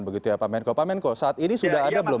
begitu ya pak menko pak menko saat ini sudah ada belum